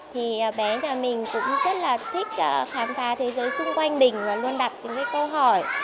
thì bé nhà mình cũng rất là thích khám phá thế giới xung quanh mình và luôn đặt những câu hỏi